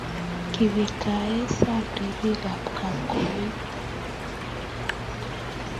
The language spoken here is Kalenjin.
kiwirtan sang' ribikab kapkomen.